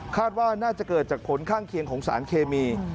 ว่าน่าจะเกิดจากผลข้างเคียงของสารเคมี